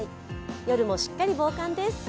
夜もしっかり防寒です。